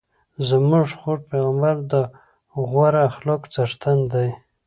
زموږ خوږ پیغمبر د غوره اخلاقو څښتن دی.